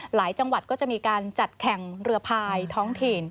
หลายจังหวัดก็จะมีการจัดแข่งเรือพายท้องถิ่น